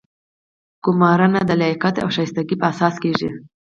ګمارنه د لیاقت او شایستګۍ په اساس کیږي.